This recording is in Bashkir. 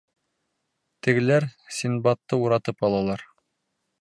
Тегеләр Синдбадты уратып алалар.